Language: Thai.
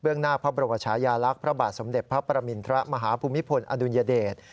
หน้าพระบรมชายาลักษณ์พระบาทสมเด็จพระประมินทรมาฮภูมิพลอดุลยเดช